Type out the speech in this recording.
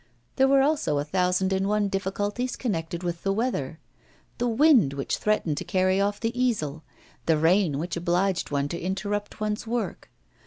There were also a thousand and one difficulties connected with the weather; the wind which threatened to carry off the easel, the rain which obliged one to interrupt one's work.